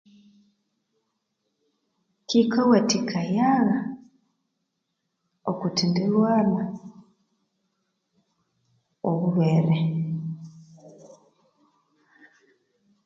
Kyikawatikaya okwithindilwalha obulhwere.